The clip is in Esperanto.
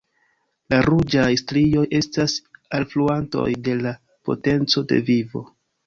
La ruĝaj strioj estas alfluantoj de la potenco de vivo.